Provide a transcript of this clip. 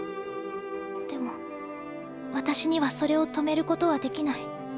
でも私にはそれを止めることはできない。